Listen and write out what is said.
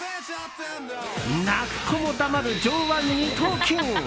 泣く子も黙る上腕二頭筋。